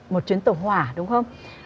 một chuyến tàu hỏa đúng không